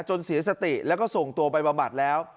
จนเสียสติแล้วก็ส่งตัวไปบำบัดแล้ว